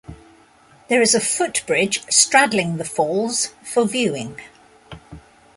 There is a footbridge straddling the falls for viewing.